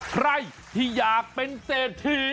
ใครที่อยากเป็นเศรษฐี